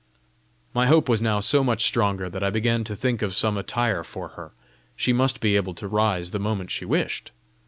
My hope was now so much stronger that I began to think of some attire for her: she must be able to rise the moment she wished!